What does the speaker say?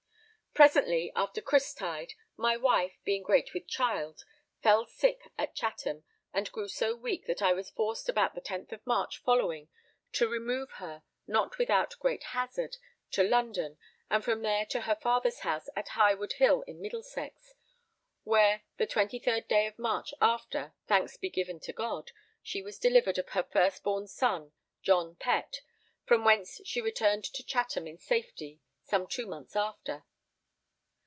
Presently after Christyde my wife, being great with child, fell sick at Chatham and grew so weak that I was forced, about the 10th of March following, to remove her, not without great hazard, to London, and from there to her father's house at Highwood Hill in Middlesex, where the 23rd day of March after, thanks be given to God, she was delivered of her first born son, John Pett; from whence she returned to Chatham in safety some two months after.